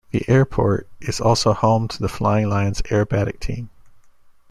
The airport is also home to the Flying Lions Aerobatic Team.